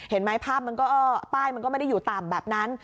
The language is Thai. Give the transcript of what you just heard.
เห็นไหมภาพมันก็ป้ายมันก็ไม่ได้อยู่ต่ำแบบนั้น